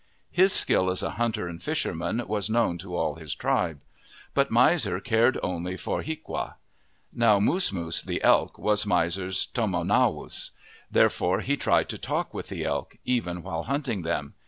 His skill as a hunter and fisherman was known to all his tribe. But Miser cared only for hiaqua. Now Moosmoos, the elk, was Miser's tomanowos. Therefore he tried to talk with the elk, even while hunting them.